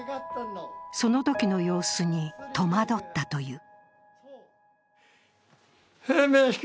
そのときの様子に戸惑ったという。